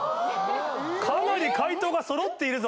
かなり解答がそろっているぞ！